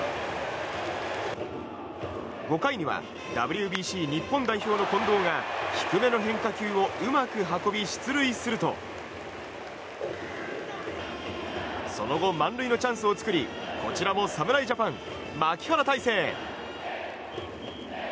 ５回にはＷＢＣ日本代表の近藤が低めの変化球をうまく運び出塁するとその後、満塁のチャンスを作りこちらも侍ジャパン牧原大成。